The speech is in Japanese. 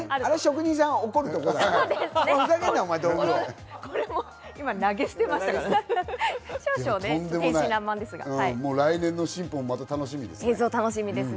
あれ、職人さん、怒るところ来年の進歩もまた楽しみですね。